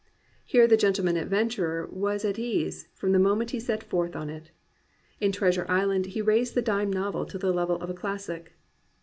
Here the gentleman adventurer was at ease from the moment he set forth on it. In Treasure Island he raised the dime novel to the level of a classic.